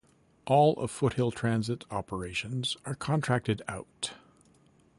All of Foothill Transit operations are contracted out.